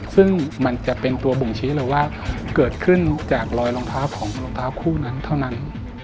ซึ่งมันจะเป็นตัวบ่งชี้เลยว่าเกิดขึ้นจากรอยรองเท้าของรองเท้าคู่นั้นเท่านั้น